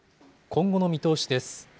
今後の見通しです。